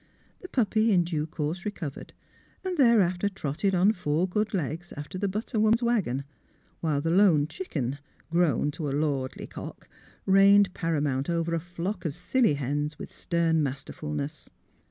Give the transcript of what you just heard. The puppy, in due course, recovered, and thereafter trotted on four good legs after the butter woman 's wagon ; while the lone chicken, gro^^^l to a lordly cock, reigned paramount over a flock of silly hens with stern masterfulness.